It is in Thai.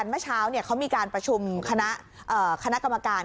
เมื่อเช้าเขามีการประชุมคณะกรรมการ